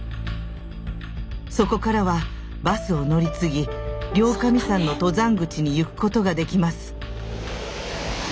そこからはバスを乗り継ぎ両神山の登山口に行くことができます。